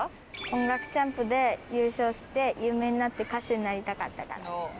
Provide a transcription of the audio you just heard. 『音楽チャンプ』で優勝して有名になって歌手になりたかったからです。